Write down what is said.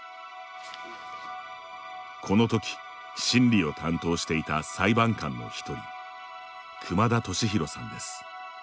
このとき、審理を担当していた裁判官の１人、熊田俊博さんです。